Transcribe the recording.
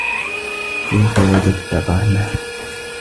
كَيْفَ وَجَدْتَ طَعْمَهَا ؟